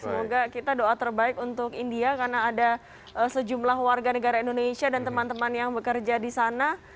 semoga kita doa terbaik untuk india karena ada sejumlah warga negara indonesia dan teman teman yang bekerja di sana